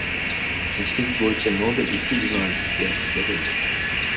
Tinchlik bo‘yicha Nobel ikki jurnalistga berildi